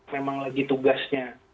memang lagi tugasnya